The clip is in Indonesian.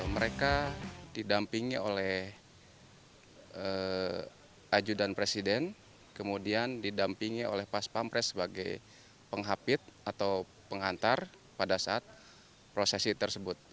mereka didampingi oleh ajudan presiden kemudian didampingi oleh pas pampres sebagai penghapit atau pengantar pada saat prosesi tersebut